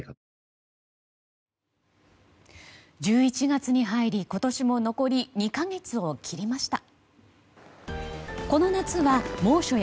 １１月に入り、今年も残り２か月を切りました。